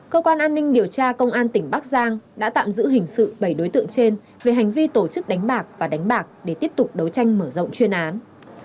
cơ quan an ninh điều tra công an tỉnh bắc giang đã tạm giữ hình sự bảy đối tượng trên về hành vi tổ chức đánh bạc và đánh bạc để tiếp tục đấu tranh mở rộng chuyên án